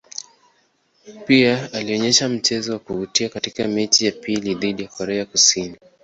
Pia alionyesha mchezo wa kuvutia katika mechi ya pili dhidi ya Korea Kusini.